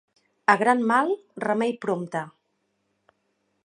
A gran mal, remei prompte.